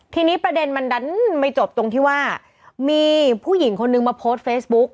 ทีนี้ประเด็นมันดันไม่จบตรงที่ว่ามีผู้หญิงคนนึงมาโพสต์เฟซบุ๊ก